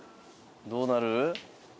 どうなる？